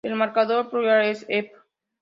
El marcador plural es "-ep".